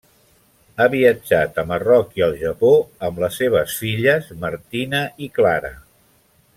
Ha viatjat a Marroc i al Japó amb les seves filles Martina i Clara.